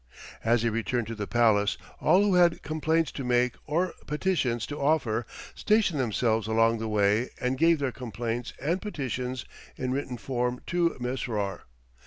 As he returned to the palace all who had complaints to make or petitions to offer stationed themselves along the way and gave their complaints and petitions in written form to Mesrour.